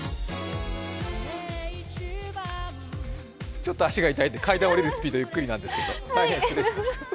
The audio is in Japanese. ちょっと足が痛いので階段を下りるスピードゆっくりなんですけど。